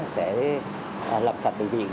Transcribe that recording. sẽ làm sạch bệnh viện